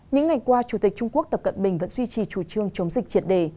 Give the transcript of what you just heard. những ngày qua chủ tịch trung quốc tập cận bình vẫn duy trì chủ trương chống dịch triệt đề